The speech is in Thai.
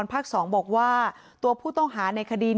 ไม่อยากให้ต้องมีการศูนย์เสียกับผมอีก